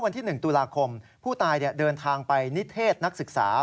วันที่๑ตุลาคมผู้ตายเดินทางไปนิเทศนักศึกษา